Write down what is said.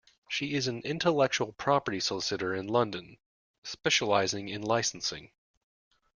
She is an intellectual property solicitor in London, specialising in licensing.